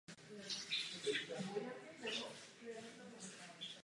Také k této sérii byla vytvořena manga adaptace.